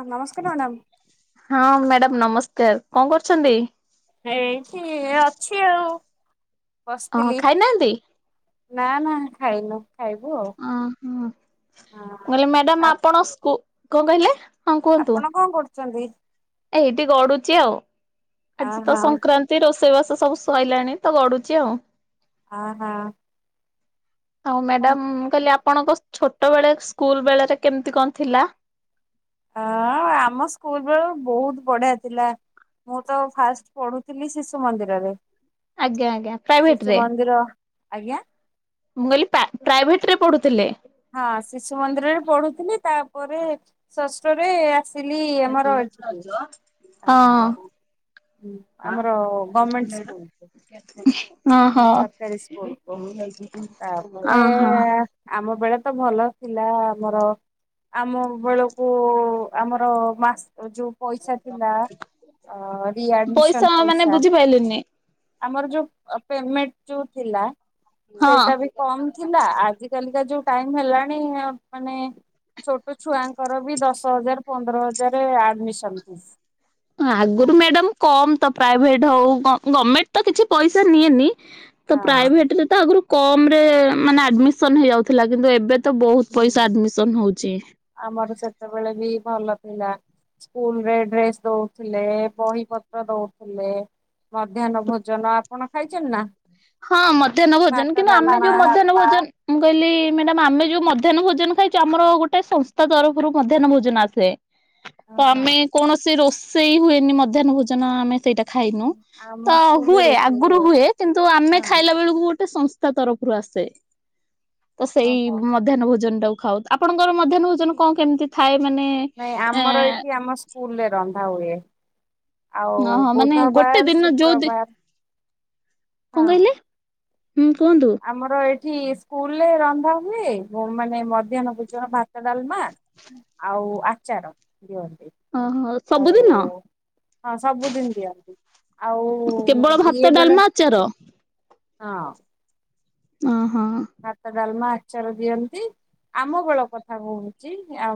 ହଁ ନମସ୍କାର ମ୍ୟାଡ଼ମ୍ ହଁ ମ୍ୟାଡାାମ ନମସ୍କାର କଣ କରୁଛନ୍ତି? ଏଇଠି ଅଛି ଆଉ ଅ ବସିଥିଲି। ଖାଇନାହାନ୍ତି? ନା ନା ଖାଇନୁ ଖାଇବୁ ଆଉ। ଓ ହ କହିଲେ ମ୍ୟାଡାାମ ହଁ। ଆପଣ ସ୍କୁ କଣ କହିଲେ? ହଁ କୁହନ୍ତୁ। ଆପଣ କଣ କରୁଛନ୍ତି? ଏଇଠି ଗଡୁଛି ଆଉ। ଆଜି ଅହ ତ ସଂକ୍ରା ରୋଷେଇବାସ ସବୁ ସଲାାଣି ତ ଗଡୁଛି ଆଉ। ଅ ହଁ ଆଉ ମ୍ୟାଡାମ ମୁ କହିଲି ଆପଣଙ୍କ ଛୋଟ ବେଳେ ସ୍କୁଲ ବେଳୋରେ କେମିତି କଣ ଥିଲା। ହଁ ଆମ ସ୍କୁଲ ବେଳୁ ବହୁତ ବଢିଆ ଥିଲା। ମୁଁ ତ ଫାଷ୍ଟ ପଢୁଥିଲି ଶିଶୁ ମନ୍ଦିରରେ। ଆଜ୍ଞା ଆଜ୍ଞା ପ୍ରାଇଭେଟ ଶିଶୁ ରେ ମନ୍ଦିର, ଆଜ୍ଞା ମୁଁ କହିଲି ପାଆ ପ୍ରାଇଭେଟ ରେ ପଢୁଥିଲେ। ହଁ ଶିଶୁ ମନ୍ଦିରରେ ପଢୁଥିଲି ତାପରେ ଷଷ୍ଠରେ ଆସିଲି ଆମର ଏଠିକି ହଁ। ହଁ ଆମର ଗଭଣମେଣ୍ଟ ସ୍କୁଲ କୁ ଓ ହୋ ସ୍କୁଲକୁ ଅ ତାପରେ ହୋ ଆମ ବେଳେ ତ ଭଲ ଥିଲା ଆମର ଆମ ବେଳୁ କ ଆମର ମାସ [unintelligible] ପଇସା ଥିଲା ରିଆଡମିସନ୍ ମାନେ ପଇସା ବୁଝିପାଇଲିନି ଆମର ଯୋଉ ପ୍ ଅ ପେମେନ୍ଟ୍ ଯୋଉ ଥିଲା ହଁ। ସେଇଟା ବି କମ୍ ଥିଲା ଆଜି କାଲିକା ଯୋଉ ଟାଇମ ହେଲାଣି ମାନେ ଛୋଟ ଛୁଆଙ୍କର ବି ଦଶ ହଜାରେ ପନ୍ଦର ହଜାରେ ଆଡମିସନ ଫିସ୍। ହଁ ଆଗରୁ ମ୍ୟାଡାମ କମ ତ ପ୍ରାଇଭେଟ ହଉ ଗଭର୍ଣମେଣ୍ଟ ତ କିଛି ପଇସା ନିଏନି। ତ ହଁ ପ୍ରାଇଭେଟ ରେ ତ ଆଗରୁ କମ ରେ ମାନେ ଆଡମିସନ ହେଇଯାଉଥିଲା। କିନ୍ତୁ ଏବେ ତ ବହୁତ ହୁଁ ପଇସା ଆଡମିସନ ହଉଛି। ଆମର ସେତେବେଳେ ବି ଭଲ ଥିଲା। ସ୍କୁଲ ରେ ଡ୍ରେସ ଦଉଥିଲେ ବହି ପତ୍ର ଦଉଥିଲେ। ମଧ୍ୟାହ୍ନ ଭୋଜନ ଆପଣ ଖାଇଚନ୍ତି ନା ହଁ ମଧ୍ୟାହ୍ନ ଭୋଜନ ଭାତ କିନ୍ତୁ ଆମେ ଡାଲମା ଯୋଉ ମଧ୍ୟାହ୍ନ ଭୋଜନ ମୁଁ କହିଲି ମ୍ୟାଡାମ ଆମେ ଯୋଉ ମଧ୍ୟାହ୍ନ ଭୋଜନ ଖାଇଛୁ ଆମର ଗୋଟେ ସଂସ୍ଥା ତରଫରୁ ମଧ୍ୟାହନ ଭୋନ ଆସେ ତ ଓହୋ। ଆମେ କୌଣସି ରୋଷେଇ ହୁଏନି ମଧ୍ୟାହ୍ନ ଭୋଜନ ଆମେ ସେଇଟା ଖାଇନୁ ତ ଆମ ସ୍କୁଲରେ ହୁଏ ରୋଷେଇ ଆଗରୁ ହୁଏ କିନ୍ତୁ ଆମେ ହଁ ଖାଇଲେ ବଳକୁ ଗୋଟେ ସଂସ୍ଥା ତରଫରୁ ଆସେ ତ ସେଇ ଓହୋ। ମଧ୍ୟାହ୍ନ ଭୋନ ଟାକୁ ଖାଉ ଆପଣଙ୍କର ମଧ୍ୟାହ୍ନ ଭୋଜନ କଣ କେମିତି ଥାଏ ମାନେ ନାଇଁ ଏ ଆମର ଏଠି ଆମ ସ୍କୁଲରେ ରନ୍ଧା ହୁଏ। ଆଉ ଓହୋ ମାନେ ଗୋଟେ ବୁଧବାର ଦିନ ଯୋଉ ଦି ଶୁକ୍ରବାର କଣ ହଁ କହିଲେ ହୁଁ କୁହନ୍ତୁ। ଆମର ଏଠି ସ୍କୁଲ ରେ ରନ୍ଧା ହୁଏ ମାନେ ମଧ୍ୟାହ୍ନ ପୂଜନ ଭା ତ ଡାଲମା ଆଉ ଆଚାର ଦିଅନ୍ତି। ଓହୋଉ ସବୁଦିନ ଆଉ ହଁ ସବୁଦିନ ଦିଅନ୍ତି କେବଳ ଆଉ ଇଏ ଭାତ ବେଳେ ଡାଲମା ଆଚାର ହଁ ଓଁ ହଁ ଭାତ ଡାଲମା ଆଚାର ଦିଅନ୍ତି ଆମ ବେଳ କଥା କହୁଛି ଆ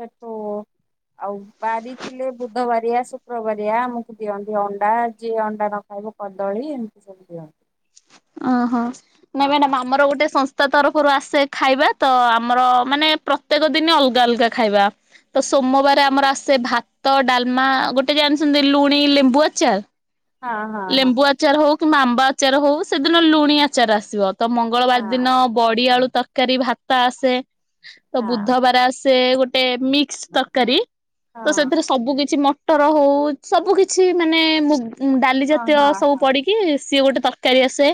ସେଠୁ ଆଉ ବାରି ଥିଲେ ବୁଧବାରିଆ ଶୁକ୍ରବାରିଆ ଆମକୁ ଦିଅନ୍ତି ଅଣ୍ଡା ଯିଏ ଅଣ୍ଡା ନ ଖାଇବ କଦଳୀ ଏମିତି ସବୁ ଦିଅ ଓହୋ ନାଇଁ ମ୍ୟାଡାମ ଆମର ଗୋଟେ ସଂସ୍ ତା ତରଫରୁ ଆସେ ଖାଇବା ତ ଆମର ମାନେ ପ୍ରତ୍ୟେକ ଦିନ୍ ଅଲଗା ଅଲଗା ଖାଇବା ତ ସୋମବାର ଆମର ଆସେ ଭାତ ଡାଲମା ଗୋଟେ ଜାଣିଛନ୍ତି ଲୁଣି ଲେମ୍ବୁ ଆଚାର ହଁ ହଁ ହଁ ଲେମ୍ବୁ ଆଚାର ହଉ କିମ୍ବା ଆମ୍ବା ଆଚାର ହଉ ସେଦିନ ଲୁଣି ଆଚାର ଆସିବ ତ ମଙ୍ଗଳବାର ହଁ ଦିନ ବଡିଆଳୁ ତରକାରୀ ଭାତ ଆସେ ତ ହଁ ବୁଧବାର ଆସେ ଗୋଟେ ଗୋଟେ ମିକ୍ସ ତରକାରୀ ହଁ ତ ସେଥିରେ ସବୁ କିଛି ମ ଟର ହଉ ସବୁ କିଛି ମାନେ ମୁ ଡାଲି ହଁ ଜାତୀୟ ହଁ ହଁ ସବୁ ହଁ ପଡି କି ସିଏ ଗୋଟେ ତରକାରୀ ଆସେ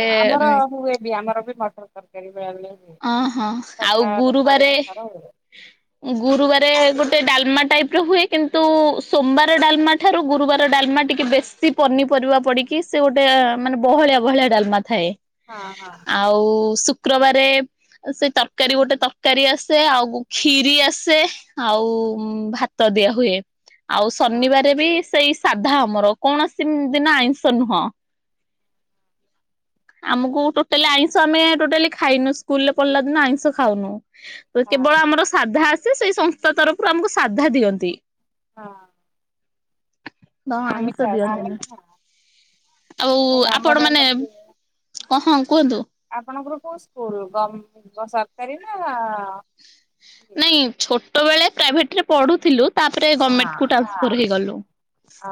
ହଁ ଆମର ହୁଏ ବି ଆମର ବି ମଟର ତରକାରୀ ଭଳିଆ ଭଳିଆ ହୁଏ। ଓ ହଁ ଆଉ ସପ୍ତାହରେ ଥରେ ଗୁରୁବାର ଦି ଥର ହୁଏ ଗୁରୁବାରେ ଗୋଟେ ଡାଲମା ଟାଇପ ର ହୁଏ କିନ୍ତୁ ସୋମବାର ଡାଲମା ଠାରୁ ଗୁରୁବାରେ ଡାଲମା ଟିକେ ବେଶ ସି ପନିପରିବା ପଡିକି ସେ ଗୋଟେ ମାନେ ବହଳିଆ ବହଳିଆ ଡାଲମା ଥାଏ। ହଁ ହଁ ଆଉ ଶୁକ୍ରବାରେ। ସେ ତରକାରୀ ଗୋଟେ ତରକାରୀ ଆସେ। ଆଉ ଖିରି ଆସେ। ଆଉ ଭାତ ଦିଆ ହୁଏ। ଆଉ ହଁ ଶନିବାର ବି ସେଇ ସାଧା ଆମର। କୌଣସି ଦିନ ଆଇଁଷ ନୁହଁ। ଆମକୁ ଟୋଟାଲି ଆଇଁଷ ଆମେ ଟୋଟାଲି ଖାଇନୁ। ସ୍କୁଲରେ ପଢିଲା ଦିନୁ ଆଇଁଷ ଖାଉନୁ। ହଁ ହଁ କେବଳ ଆମର ସାଧା ଆସେ। ସେଇ ସଂସ୍ଥା ତରଫରୁ ଆମକୁ ସାଧା ଦିଅନ୍ତି ହଁ ହ ଆମିଷ ଆଇଷ ଦିଆ ଆସେନି ହଉନି ନା ଆଉ ନାଇଁ ଆମର ଆପଣ ମାନେ। ଏମିତି କହଁ କୁହନ୍ତୁ। ଆପଣଙ୍କର କୋଉ ସ୍କୁଲ ଗମ୍ ସରକାରୀ ନା ଇଏ? ନାଇଁ ଛୋଟବେଳେ ପ୍ରାଇଭେଟ ରେ ପଢୁଥିଲୁ। ତାପରେ ଗଭର୍ଣମେଣ୍ଟ କୁ ହଁ। ଟ୍ରାନ୍ସଫର୍ ହେଇଗଲୁ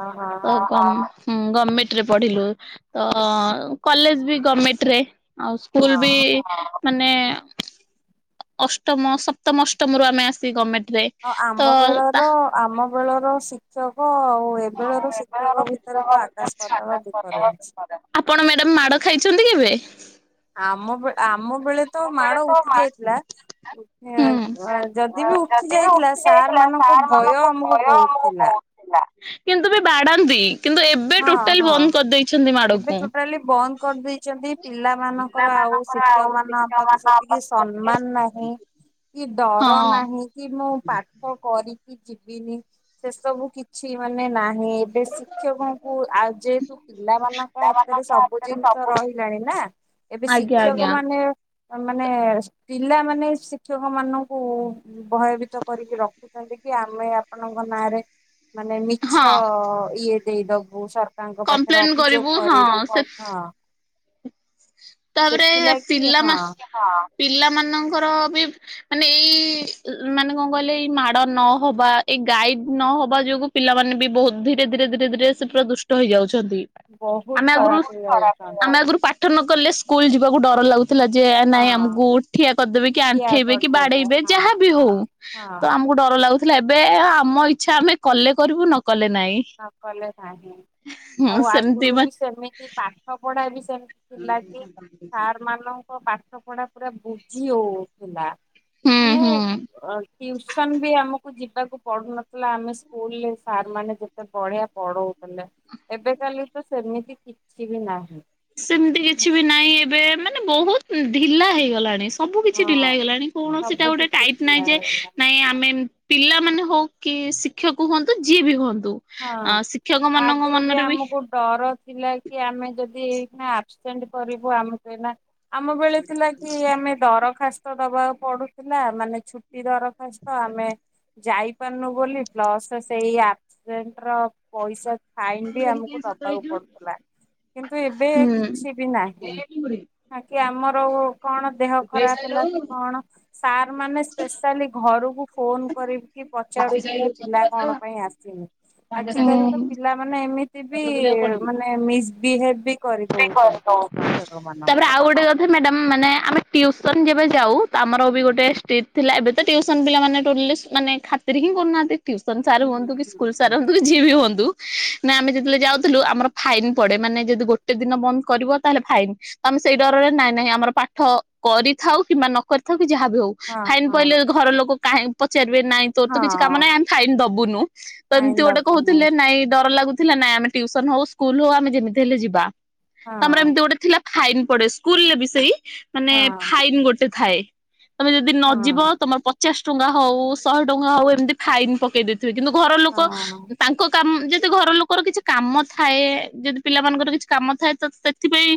ଓହୋ କଣ ହୁଁ, ଗଭର୍ଣମେଣ୍ଟ ରେ ପଢିଲୁ। ତ କଲେଜ ବି ଗଭର୍ଣମେଣ୍ଟରେ। ଆଉ ସ୍କୁଲ ବି ହଁ। ମାନେ। ଅଷ୍ଟମ ସପ୍ତମ ଅଷ୍ଟମ ରୁ ଆମେ ଆସି ଗଭର୍ଣ୍ମେଣ୍ଟରେ। ହ ଆଉ ଆମ ବେଳର ଆମ ବେଳର ଶିକ୍ଷକ ଆଉ ଏବେଳର ଶିକ୍ଷକ ଭିତରେ ତ ଆକାଶ ପାତାଳ ଡିଫରେନ୍ସ। ଆପଣ ମ୍ୟାଡମ୍ ମାଡ ଖାଇଛନ୍ତି କେଭେ? ଆମ ବ, ଆମ ବେଳେ ତ ମାଡ ଉଠି ଯାଇଥିଲା। ହୁଁ ଯଦି ବି ଉଠି ଯାଇଥିଲା, ସାର୍ ମାନଙ୍କ ଭୟ ଆମକୁ ବହୁତ ଥିଲା। କିନ୍ତୁ ବି ବାଡାନ୍ତି। କିନ୍ତୁ ଏବେ ହଁ, ଟୋଟାଲ ହଁ। ବନ୍ଦ କରିଦେଇଛନ୍ତି ଏବେ ମାଡକୁ। ଟୋଟାଲି ବନ୍ଦ କରିଦେଇଛନ୍ତି। ପିଲାମାନଙ୍କ ଙ୍କର ଆଉ ଶିକ୍ଷକ ମାନଙ୍କ ପ୍ରତି ସେତିକି ସମ୍ମାନ ନାହିଁ, କି ଡର ହଁ ନାହିଁ। ହୁଁ କି, ମୁଁ ପାଠ କରିକି ଯିବିନି। ସେସବୁ କିଛି ମାନେ ନାହିଁ। ଏବ୍ ବେ ଶିକ୍ଷକଉଁ ଆଉ ଯେହେତୁ ପିଲାମାନଙ୍କ ହାତରେ ସବୁ ଜିନିଷ ରହିଲାଣି ନା। ଏବେ ଆଜ୍ଞା ଶିକ୍ଷକ ଆଜ୍ଞା ମାନ୍ ନେ ମାନେ ପିଲାମାନେ, ଶିକ୍ଷକ ମାନଙ୍କୁ ଭୟଭୀତ କରିକି ରଖୁଛନ୍ତି। କି ଆମେ ଆପଣଙ୍କ ନାଁରେ ମାନେ ମି ହଁ ଛ-ଅ ଇଏ ଦେଇଦବୁ, ସରକାଙ୍କ ପାଖରେ କମ୍ପ୍ଲେନ ଅଭିଯୋଗ ହଁ କରିବୁ କନ? ତା'ପରେ-ଏ ପିଲା ହଁ ମା, ପିଲାମାନଙ୍କର ବି ମାନେ ଏଇ-ଇ ମାନେ କଣ କହିଲେ! ଏଇ ମାଡ ନହବା, ଏଇ ଗାଇଡ୍ ନହବା ଯୋଗୁଁ ପିଲାମାନେ ବି ବହୁତ ଧୀରେ ଧୀରେ ଧୀରେ ଧୀରେ ସେ ପୁରା ଦୁଷ୍ଟ ହେଇଯାଉଛନ୍ତି। ବହୁତ ଆମେ ଆଗରୁ, ଖରାପ ଆମେ ହେଇଯାଉଛନ୍ତି ଆଗରୁ ପାଠ ନକଲେ ସ୍କୁଲ ଯିବାକୁ ଡର ଲାଗୁ ଥିଲା ଯେ ନାଇଁ, ହଁ। ଆମକୁ ଠିଆ କରିଦେବେ, କି ଠିଆ ଆଣ୍ଠେଇବେ, କି କରିଦେବେ ବାଡେଇବେ, ହଁ ଯାହାବି ହଁ ହେଉ ହଁ ତ ଆମକୁ ଡର ଲାଗୁଥିଲା। ଏବେ ଆମ ଇଚ୍ଛା, ଆମେ କଲେ କରିବୁ ନ କଲେ ନାଇଁ। ନ କଲେ ନାହିଁ। ହୁଁ ଆଉ ଆଗରୁ ସେମିତି ବା ବି ସେମିତି ପାଠ ପଢା ବି ସେମ୍ ଥିଲା କି, ସାର୍ ମାନଙ୍କ ପାଠ ପଢା ପୁରା ବୁଝି ହଉଥିଲା। ହୁଁ ମାନେ ହୁଁ। ଅଲ୍ ଟ୍ୟୁସନ୍ ବି ଆମକୁ ଯିବାକୁ ପଡୁନଥିଲା। ଆମେ ସ୍କୁଲରେ ସାର୍ ମାନେ ଯେ ସେ ବଢିଆ ପଢଉଥିଲେ। ଏବେ ଖାଲି ତ, ସେମିତି କିଛି ବି ନାହିଁ। ସେମିତି କିଛି ବି ନାହିଁ, ଏବେ ମାନେ ବହୁତ ଢିଲା ହେଇଗଲାଣି ସ ସବୁ କିଛି ଢିଲା ହଁ ହେଇଗଲାଣି। କୌଣସି ଟା ସବୁ ଗୋଟେ କିଛି ଟାଇଟ୍ ନାହିଁ ଥିଲା ଯେ, ନାଇଁ ହଁ ଆମେ ପିଲାମାନେ ହଉ କି ଶିକ୍ଷକ ହୁଅନ୍ତୁ ଯିଏ ବି ହୁଅନ୍ତୁ। ହଁ ଆଁ ଶିକ୍ଷକ ମାନଙ୍କ ଆଗରୁ ମନରେ ବି ଆମକୁ ଡର ଥିଲା, କି ଆମେ ଯଦି ଏଇକ୍ଷିଣା ଆବ୍ସେଣ୍ଟ କରିବୁ, ଆମ ପିଲା ଆମ ବେଳେ ଥିଲା କ୍ କି, ଆମେ ଦରଖାସ୍ତ ଦବାକୁ ପଡୁଥିଲା ମାନେ ଛୁଟି ଦରଖାସ୍ତ। ଆମେ ଯାଇପାରୁନୁ ବୋଲି, ପ୍ଲସ୍ ସେଇ ଆବ୍ ସେଣ୍ଟ ର ପଇସା ଫାଇନ୍ ବି ଆମକୁ ଦବାକୁ ପଡୁଥିଲା। କିନ୍ତୁ, ଏବେ ହୁଁ। କିଛି ବି ନାହିଁ। ଆଗେ ଆମର ଓ କଣ ଦେହ ଖରାପ ହେଲା କି କଣ? ସାର୍ ମାନେ ସ୍ପେଶାଲି ଘରକୁ ଫୋନ୍ କରିକି ପଚାରୁଥିଲେ, ପିଲା କଣ ପାଇଁ ଆସ୍ [inaudible] ଆଜିକାଲି ତ ପିଲାମାନେ ଏମିତି ବି ମାନେ ମିସ୍ ବିହେବ ବି କରିଦଉଚନ୍ତି, ଶିକ୍ଷକ ମାନଙ୍କୁ। ମ୍ୟାଡ଼ାମ୍ ମାନେ ଆମେ ଟ୍ୟୁସନ୍ ଯେବେ ଯାଉ, ତ ଆମର ବି ଗୋଟେ ଷ୍ଟିଟ୍ ଥିଲା, ଏବେ ତ ଟ୍ୟୁସନ୍ ପିଲା ମାନେ ଟୋଟ୍ଲି ଶୁ ମାନେ ଖାତିରେ ହିଁ କରୁନାହାଁନ୍ତି, ଟ୍ୟୁସନ୍ ସାର୍ ହୁଁ ହୁଅନ୍ତୁ କି ହୁଁ ସ୍କୁଲ ସାର ହୁଁ। ହୁଅନ୍ତୁ ଯିଏବି ହୁଅନ୍ତୁ, ନା ଆମେ ଯେତେବେଳେ ଯାଉଥିଲୁ ଆମର ଫାଇନ୍ ପଡେ। ମାନେ ଯଦି ଗୋ ଟେ ଦିନ ବନ୍ଦ କରିବ ତା, ହେଲେ ଫାଇନ୍। ତ ଆମେ ସେଇ ଡରରେ ନାଇଁ ନାଇଁ, ଆମର ପାଠ କରିଥାଉ କିମ୍ବା ନ କରିଥାଉ, କି ଯାହାବି ହଉ। ହଁ ଫାଇନ୍ ହଁ ପଇଲେ ଘର ଲୋକ କାହିଁ ପଚାରିବେ, ନାଇଁ ତୋର ତ କିଛି କାମ ହଁ ନାହିଁ, ଆମେ ଫାଇନ୍ ଦବୁନୁ। ତ କାଇଁ ଏମିତି ଗୋଟେ ଦବୁନୁ କହୁଥିଲେ ନାଇଁ ଡର ଲାଗୁଥିଲା। ନାଇଁ ଆମେ ଟ୍ୟୁସନ୍ ହଉ, ସ୍କୁଲ ହଉ, ଆମେ ଯେମିତି ହେଲେ ଯିବା। ହଁ ତମର ଏମିତି ଗୋଟେ ଥିଲା ଫାଇନ୍ ପଡେ, ସ୍କୁଲ ରେ ବି ସେଇ, ମାନେ ହଁ ଫାଇନ୍ ଗୋଟେ ଥାଏ। ତମେ ଯଦି ନ ଯିବ। ହଁ। ତମର ପଚାଶ ଟଙ୍କା ହଉ, ଶହେ ଟଙ୍କା ହଉ, ଏମିତି ଫାଇନ୍ ପକେଇ ଦେ ଥିବେ କିନ୍ତୁ ଘର ଲୁକ ହଁ ତାଙ୍କ କାମ ଯଦି ଘର ଲୁକର କିଛି କାମ ଥାଏ, ଯଦି ପିଲାମାନଙ୍କର କିଛି କାମ ଥାଏ ତ ସେଥିପାଇଁ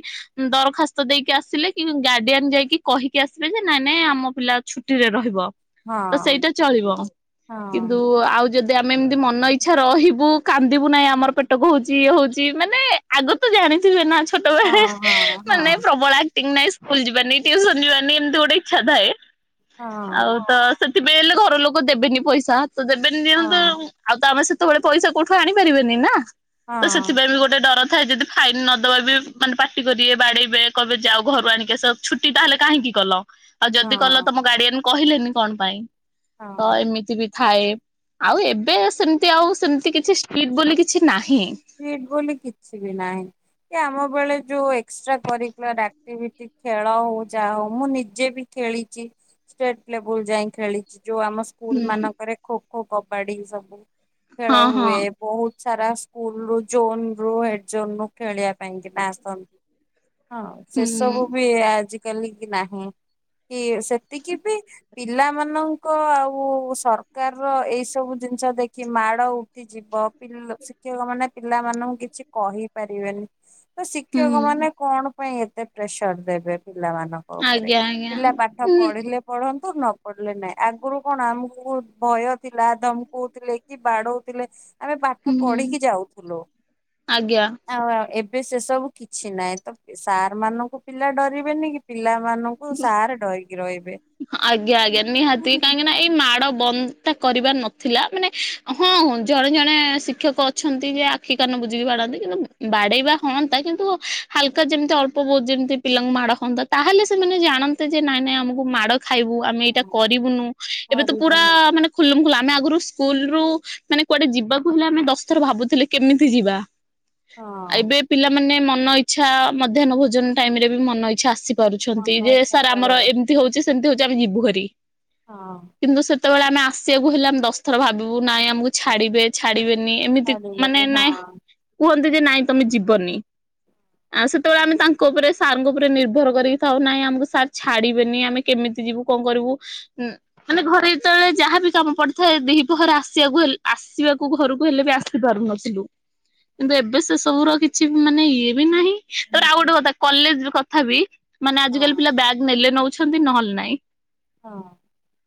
ଦରଖାସ୍ତ ଦେଇକି ଆସିଲେ କି ଗାର୍ଡିଆନ ଯାଇକି କହିକି ଆସିବେ ଯେ ନାଇଁ ନାଇଁ ଆମ ପିଲା ଛୁଟିରେ ରହିବ। ହଁ ତ ସେଇଟା ଚଳିବ ହଁ କିନ୍ତୁ ଆଉ ଯଦି ଆମେ ଏମିତି ମନ ଇଚ୍ଛା ରହିବୁ କାନ୍ଦିବୁ ନାଇଁ ଆମର ପେଟ କ ହଉଛି ଇଏ ହଉଛି ମାନେ ଆଗ ତ ଜାଣିଥିବେ ନା ଚୁ ହଁ ହଁ ହଁ। ତିଂ ସ୍କୁଲ ଯିବାନି ଟ୍ୟୁସନ ଯିବାନି ଏମିତି ଗୋଟେ ଇଚ୍ଛା ଥାଏ ଆଉ ତ ସେଥିପାଇଁ ହେଲେ ଘର ଲୋକ ଦେବେନି ପଇସା ତ ଦେବେନି ଯେହେନ୍ତୁ ହଁ ଆଉ ତ ଆମେ ସେତେବେଳେ ପଇସା କଉଠୁ ଆଣିପାରିବେନି ନା ତ ହଁ ସେଥିପାଇଁ ବି ଗୋଟେ ଡର ଥାଏ ଯଦି ଫାଇନ୍ ନଦବା ବି ମାନେ ପାଟି କରିବେ ବାଡେଇବେ କହିବେ ଯାଓ ଘରୁ ଆଣିକି ଆସ ଛୁଟି ତାହେଲେ କାହିଁକି କଲ। ଆଉ ଯଦି କଲ ହଁ ତମ ଗାର୍ଡିଆନ୍ କହିଲେନି କଣ ପାଇଁ ତ ହଁ। ଏମିତି ବି ଥାଏ ଆଉ ଏବେ ସେମିତି ଆଉ ସେମିତି କିଛିି ଷ୍ଟିଟ ବୋଲି କିଛି ନାହିଁ। ଷ୍ଟିଟ ବୋଲି କିଛି ବି ନାହିଁ। କି ଆମ ବେଳେ ଯୋଉ ଏକ୍ସଟ୍ରା କରିକୁଲାର ଆକ୍ଟିଭିଟି ଖେଳ ହଉ ଯାହା ହଉ ମୁଁ ନିଜେ ବି ଖେଳିଚି ଷ୍ଟେଟ ଲେବୁଲ ଯାଇଁ ଖେଳିଚି ଯୋଉ ଆମ ସ ସ୍କୁଲ ହୁଁ ମାନଙ୍କରେ ଖୋ ଖୋ କବାଡି ସବୁ ଖେଳ ହଁ ହଁ ହୁଏ ବହୁତ ସାରା ଶୁ ସ୍କୁଲ ରୁ ଜୋନ ରୁ ହେଡ ଜୋନ ରୁ ଖେଳିବା ପାଇଁକିନା ଆସନ୍ତି। ହଁ ସେ ହୁଁ ସବୁ ବି ଆଜିକାଲି କି ନାହିଁ କି ସେତିକି ବି ପିଲାମାନଙ୍କ ଆଉ ସରକାରର ଏଇ ସବୁ ଜିନିଷ ଦେଖି ମାଡ ଉ ଯିବ [unintelligible] ଶିକ୍ଷକ ମାନେ ପିଲା ମାନଙ୍କୁ କିଛି କହି ପାରିବେନି ତ ଶିକ୍ଷକ ହୁଁ। ମାନେ କଣ ପାଇଁ ଏତେ ପ୍ରେସର ଦେବେ ପିଲାମାନଙ୍କ ଉପରେ ଆଜ୍ଞା ଆଜ୍ଞା ପିଲା ପାଠ ଉଁ ପଢିଲେ ପଢ଼ନ୍ତୁ ନ ପଢ଼ିଲେ ନାଇ ଆଗରୁ କଣ ଆମକୁ ବହୁତ୍ ଭୟ ଥିଲା ଧମକଉଥିଲେ କି ବାଡ଼ଉଥିଲେ। ଆମେ ପାଠ ହୁଁ ପଢିକି ଯାଉଥୁଲୁ। ଆଜ୍ଞା। ଆଉ ଆଉ ଏବେ ସେ ସବୁ କିଛି ନାହିଁ ତ ସାର୍ ମାନଙ୍କୁ ପିଲା ଡରିବେନି କି ପିଲାମାନଙ୍କୁ କୁ ସାରେ ଡରକି ରହିବେ। ଆଜ୍ଞା ହଁ ଆଜ୍ଞା ନିହାତି କାହିଁକି ନା ଏଇ ମାଡ ବନ୍ଦ ଟା କରିବାର ନଥିଲା ମାନେ ହଁ ଜଣେ ଜଣେ ଶିକ୍ଷକ ଅଛନ୍ତି ଯେ ଆ ଆଖି କାନ ବୁଯିକି ବାଡନ୍ତି କିନ୍ତୁ ବାଡେଇବା ହଅନ୍ତା କିନ୍ତୁ ହାଲକା ଯେମିତି ଅଳ୍ପ ବହୁତ ଯେମିତି ପିଲାଙ୍କୁ ମାଡ ହନ୍ତା ତାହେଲେ ସେମାନେ ଜାଣନ୍ତେ ଯେ ନାଇଁ ନାଇଁ ଆମକୁ ମାଡ ଖାଇବୁ ଆମେ ଏଇଟା କରିବୁନୁ ଏବେ ତ ପୁରା କରିବୁନୁ ମାନେ ଖୂଲମ ଖୁଲା ଆମେ ଆଗରୁ ସ୍କୁଲ ରୁ ମାନେ କୁଆଡେ ଯିବାକୁ ହେଲେ ଆମେ ଦଶଥର ଭାବୁଥିଲେ କେମିତି ଯିବା। ହଁ ଏବେ ପିଲାମାନେ ମନ ଇଛା ମଧ୍ୟାହ୍ନ ଭୋଜନ ଟାଇମ ରେ ବି ମନ ଇଚ୍ଛା ଆସି ମନ କରୁଛନ୍ତି ଯେ ଇଚ୍ଛା ସାର୍ ଆମର ପଳେଇ ଏମିତି ହଉଛି ସେମିତି ହଉଛି ଆମେ ଯିବୁ ହାରୀ। ହଁ। କିନ୍ତୁ ସେତେବେଳେ ଆମେ ଆସିବାକୁ ହେଲେ ଆମେ ଦଶଥର ଭାବିବୁ ନାହିଁଆମକୁ ହଁ। ଛାଡିବେ ଛାଡିବେନି ଏମିତି ଛାଡିଗଲି ମାନେ ହଁ ନାଇଁ କୁହନ୍ତି ଯେ ନାଇଁ ତମେ ଯିବନି। ଆଉ ସେତେବେଳେ ଆମେ ତାଙ୍କ ଉପରେ ସାରଙ୍କ ଉପରେ ନିର୍ଭର କରିକି ଥାଉ ନାହିଁ ଆମକୁ ସାର୍ ଛାଡିବେନି ଆମେ କେମିତି ଯିବୁ କଣ କରିବୁ ଉନ ମାନେ ଘରେ ଯେତେବେଳେ ଯାହାବି କାମ ପଡିଥାଏ ଦିହିପହରେ ଆସିବାକୁ ଆସିବାକୁ ଘରକୁ ହେଲେ ବି ଆସି ଦେଖି ପାରୁନଥିଲୁ କିନ୍ତୁ ଏବେ ସେ ସବୁର କିଛି ମାନେ ଇଏ ବି ନାହିଁ ହଁ ତବେ ଆଉ ଗୋଟେ କଥା କଲେଜ ର କଥା ବି ମାନେ ଆଜିକାଲି ହଁ ପିଲା ବ୍ୟାଗ୍ ନେଲେ ନଉଛନ୍ତି ନହେଲେ ନାଇଁ। ହଁ।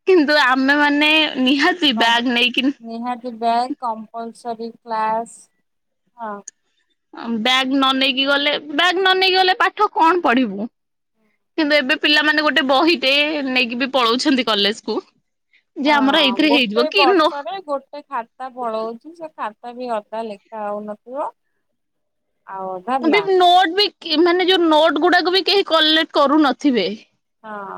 କିନ୍ତୁ ଆମେ ମାନେ ନିହାତି ବ୍ୟାଗ୍ ନେଇକି ନିହାତି ବ୍ୟାଗ୍ କମ୍ପଲସରୀ କ୍ଲାସ୍ ହଁ। ଓଁ ବ୍ୟାଗ୍ ନ ନେଇକି ଗଲେ ବ୍ୟାଗ ନ ନେଇକି ଗଲେ ପାଠ କଣ ପଢିବୁ? କିନ୍ତୁ ଏବେ ପିଲାମାନେ ଗୋଟେ ବହିଟେ ନେଇକି ବି ପଳଉଛନ୍ତି କଲେଜ କୁ। ଯେ ଆମର ହଁ ଏଇଥିରେ ଗୋଟେ ହେଇଯିବ କି ନୋ ବର୍ଷରେ ଗୋ ଗୋଟେ ଖାତା ପଳଉଛି ସେ ଖାତା ବି ଅଧା ଲେଖା ହଉନଥିବ ଆଉ ଅଧା ଏବେ ବ୍ଲାଙ୍କ ନୋଟ ବି ମାନେ ଯୋଉଁ ନୋଟ କେଉଁମାନେ ନୋଟ ଗୁଡାକୁ ବି କେହି କଲେକ୍ଟ କରୁନଥିବେ। ହଁ।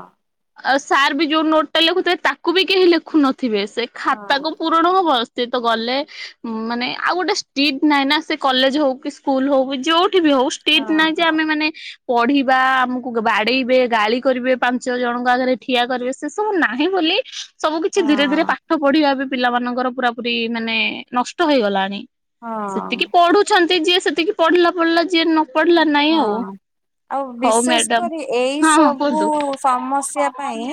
ଆଉ ସାର୍ ବି ଯୋଉ ନୋଟ ଟା ଲେଖୁଥିବ ତାକୁ ବି କେହି ଲେଖୁନଥିବେ ସେ ହଁ ଖାତାକୁ ପୁ ପ୍ରଣବ ବସ୍ଥିତ ଗଲେ। ମାନେ ଆଉ ଗୋଟେ ଷ୍ଟିଟ୍ ନାହିଁ ନା ସେ କଲେଜ ହଉ କି ସ୍କୁଲ ହଉ କି ଯୋଉଠି ବି ହଉ। ହଁ ଷ୍ଟିଟ ନାହିଁ ଯେ ହଁ ଆମେ ମାନେ ପଢିବା ଆମକୁ ବାଡେଇବେ ଗାଳି କରିବେ ପାଞ୍ଚ ଯଉ ଜଣଙ୍କ ଆଗରେ ଠିଆ କରିବେ। ସେ ସବୁ ନାହିଁ ବୋଲି ସବୁ କିଛି ଧୀରେ ଧୀରେ ପା ହଁ। ପାଠ ପଢିବା ବି ପିଲାମାନଙ୍କର ପୁରା ପୁରି ମାନେ ନଷ୍ଟ ହେଇଗଲାଣି। ସେତିକି ହଁ ପଢୁ ଛନ୍ତି ଯିଏ ସେତିକି ପଢିଲା ପଢିଲା ଯିଏ ନ ପଢିଲା ନାଇଁ ଆଉ। ହଁ ଆଉ ହଉ ବିଶେଷ ମ୍ୟାଡାମ କରି ଏଇ ହଁ ହଁ ସବୁ କୁହନ୍ତୁ ସମସ୍ୟା ପାଇଁ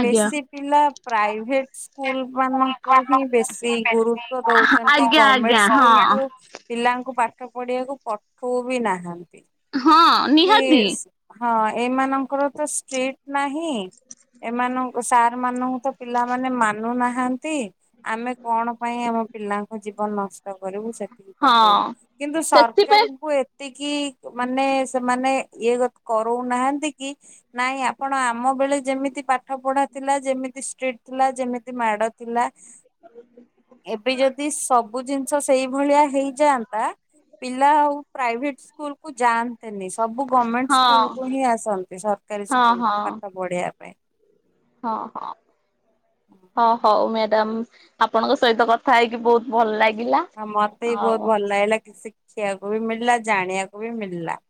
ଆଜ୍ଞା। ବେଶୀ ପିଲା ପ୍ରାଇଭେଟ ସ୍କୁଲ ମାନ କୁ ହିଁ ବେଶୀ ଗୁରୁତ୍ୱ ଦଉଛନ୍ତି। ଆଜ୍ଞା ଆଜ୍ଞା ଗଭର୍ମେଣ୍ଟ ସ୍କୁଲ ହଁ କୁ ପିଲାଙ୍କୁ ପାଠ ପଢିବାକୁ ପଠଉ ବି ନାହାନ୍ତି ହଁ କି ନିହାତି ହଁ ଏମାନଙ୍କର ତ ଷ୍ଟ୍ରିଟ ନାହିଁ। ଏମାନଙ୍କୁ ସାର୍ ମାନଙ୍କୁ ତ ପିଲାମାନେ ମାନୁନାହାନ୍ତି। ଆମେ କଣ ପାଇଁ ଆମ ପିଲାଙ୍କ ଜୀବନ ନଷ୍ଟ କରିବୁ ସେ ହଁ। ପଠେଇବ କିନ୍ତୁ ସେଥିପାଇଁ ସରକାରଙ୍କୁ ଏତିକି ମାନେ ସେମାନେ ଇଏ କରଉନାହାନ୍ତି କି ନାଇଁ ଆପଣ ଆମ ବେଳେ ଯେମିତି ପାଠ ପଢା ଥିଲା ଯେମିତି ଷ୍ଟ୍ରିଟ ଥିଲା। ଯେମିତି ମାଡ ଥିଲା। ଏବେ ଯଦି ସ ସବୁ ଜିନିଷ ସେଇଭଳିଆ ହେଇଯାଆନ୍ତା। ପିଲା ଆଉ ପ୍ରାଇଭେଟ ସ୍କୁଲ କୁ ଯା ନ୍ତେନି ସବୁ ଗଭର୍ଣ୍ଣମେଣ୍ଟ ହଁ ସ୍କୁଲକୁୁ ହିଁ ଆସନ୍ତି। ସରକାରୀ ହଁ ହଁ ସ୍କୁଲକୁ ପାଠ ପଢିବା। ପାଇଁ। ହଁ ହଁ ହଁ ହଉ ମ୍ୟାଡ଼ାମ। ଆପଣଙ୍କ ସହିତ କଥା ହେଇକି ବହୁତ ଭଲ ଲାଗିଲା। ହଁ ମତେ ବି ଆଉ ବହୁତ ଭଲ ଲାଗିଲା କି ଶିଖିବାକୁ ବି ମିଳିଲା ଜାଣିବାକୁ ବି ମିଳିଲା।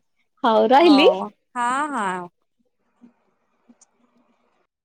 ହଉ ରହିଲି। ହଉ ହଁ ହଁ।